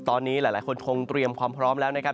ตอนนี้หลายคนคงเตรียมความพร้อมแล้วนะครับ